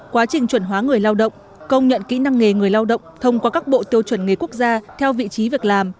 quá trình chuẩn hóa người lao động công nhận kỹ năng nghề người lao động thông qua các bộ tiêu chuẩn nghề quốc gia theo vị trí việc làm